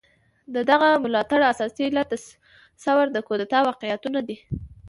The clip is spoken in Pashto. د دغه ملاتړ اساسي علت د ثور د کودتا واقعيتونه دي.